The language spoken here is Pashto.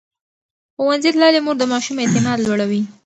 ښوونځې تللې مور د ماشوم اعتماد لوړوي.